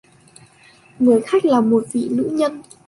Người khách là một vị nữ nhân